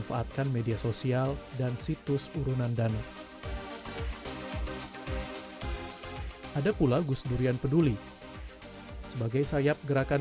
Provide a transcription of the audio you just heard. memanfaatkan media sosial dan situs urunan dana ada pula gus durian peduli sebagai sayap gerakan